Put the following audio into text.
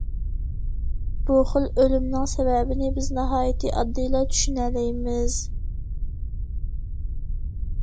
بۇ خىل ئۆلۈمنىڭ سەۋەبىنى بىز ناھايىتى ئاددىيلا چۈشىنەلەيمىز.